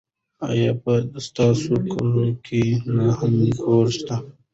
ایا په ستاسو کلي کې لا هم ګودر شته؟